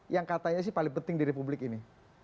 yang katanya sih paling penting di republik ini